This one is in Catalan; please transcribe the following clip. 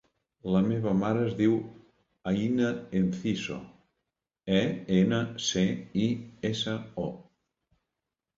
La meva mare es diu Aïna Enciso: e, ena, ce, i, essa, o.